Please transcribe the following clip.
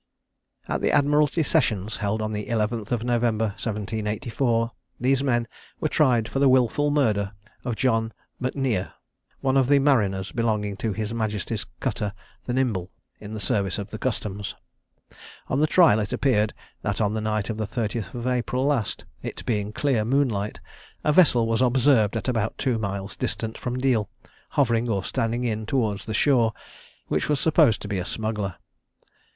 At the Admiralty sessions, held on the 11th of November, 1784, these men were tried for the wilful murder of John M'Nier, one of the mariners belonging to his majesty's cutter the Nimble, in the service of the Customs. On the trial it appeared that on the night of the 30th of April last, it being clear moonlight, a vessel was observed at about two miles distance from Deal, hovering or standing in towards the shore, which was supposed to be a smuggler.